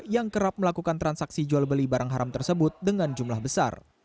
yang kerap melakukan transaksi jual beli barang haram tersebut dengan jumlah besar